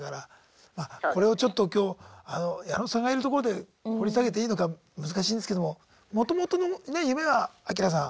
これをちょっと今日矢野さんがいるところで掘り下げていいのか難しいんですけどももともとのね夢はアキラさん。